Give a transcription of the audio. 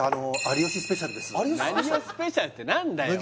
有吉スペシャルって何だよ